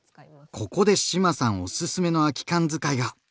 ここで志麻さんおすすめの空き缶使いが！